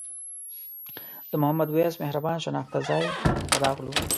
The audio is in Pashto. د محمد وېس مهربان شناخته ځای ته راغلو.